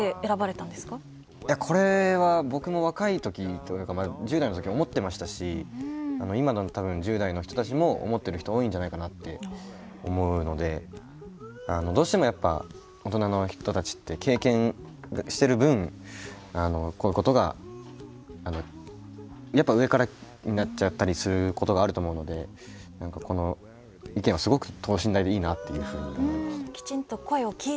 これは僕も若いとき１０代のとき思ってましたし今の、１０代の人たちも思ってる人たち多いのかなって思うのでどうしても大人の人たちって経験してる分こういうことが、やっぱ上からになっちゃったりすることがあると思うのでこの意見は、すごく等身大でいいなと思います。